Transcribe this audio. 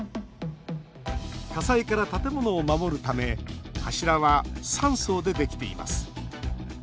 火災から建物を守るため柱は３層でできています。